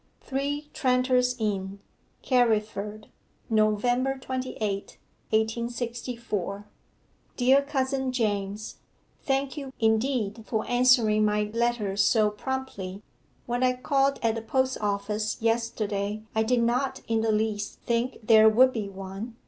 'THREE TRANTERS INN, CARRIFORD, November 28, 1864. 'DEAR COUSIN JAMES, Thank you indeed for answering my letter so promptly. When I called at the post office yesterday I did not in the least think there would be one.